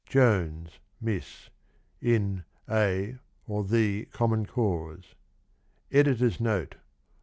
— Jones (Miss) in A (or The) Common Cause. [Editor's Note.